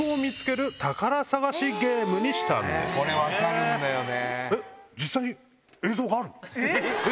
これ分かるんだよね。